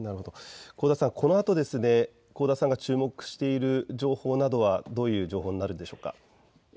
香田さん、このあと注目している情報などはどういう情報でしょうか。